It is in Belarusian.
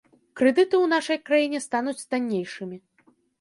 Крэдыты ў нашай краіне стануць таннейшымі.